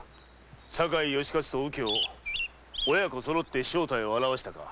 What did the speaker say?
酒井義勝と右京親子そろって正体を現わしたか。